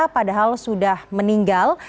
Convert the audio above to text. padahal sudah meninggal